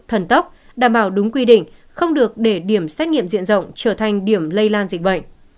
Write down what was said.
thần tốc đảm bảo đúng quy định không được để điểm xét nghiệm diện rộng trở thành điểm lây lan dịch bệnh